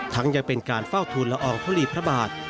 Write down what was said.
ยังเป็นการเฝ้าทูลละอองทุลีพระบาท